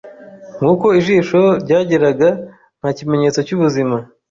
Nkuko ijisho ryageraga, nta kimenyetso cyubuzima.